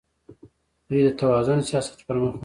دوی د توازن سیاست پرمخ وړي.